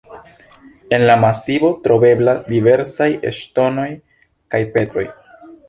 En la masivo troveblas diversaj ŝtonoj kaj petroj.